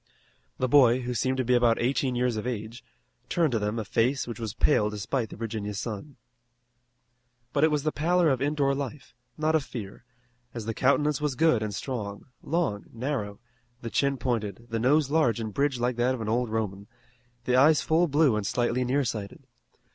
The boy, who seemed to be about eighteen years of age, turned to them a face which was pale despite the Virginia sun. But it was the pallor of indoor life, not of fear, as the countenance was good and strong, long, narrow, the chin pointed, the nose large and bridged like that of an old Roman, the eyes full blue and slightly nearsighted.